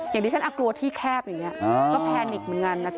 อย่างที่ฉันกลัวที่แคบอย่างนี้ก็แพนิกเหมือนกันนะจ